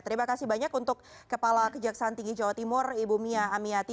terima kasih banyak untuk kepala kejaksaan tinggi jawa timur ibu mia amiati